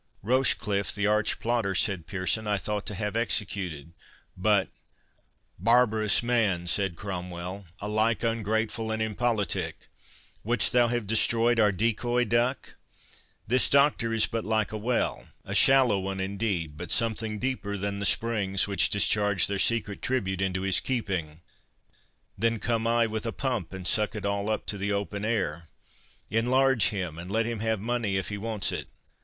"Rochecliffe, the arch plotter," said Pearson, "I thought to have executed, but"— "Barbarous man," said Cromwell, "alike ungrateful and impolitic—wouldst thou have destroyed our decoy duck? This doctor is but like a well, a shallow one indeed, but something deeper than the springs which discharge their secret tribute into his keeping; then come I with a pump, and suck it all up to the open air. Enlarge him, and let him have money if he wants it.